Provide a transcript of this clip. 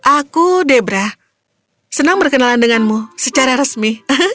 aku debra senang berkenalan denganmu secara resmi